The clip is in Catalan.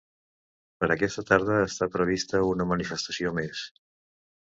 Per a aquesta tarda està prevista una manifestació més.